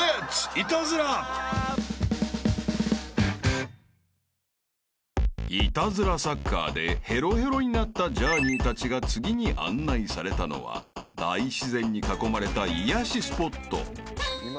［イタズラサッカーでヘロヘロになったジャーニーたちが次に案内されたのは大自然に囲まれた癒やしスポット］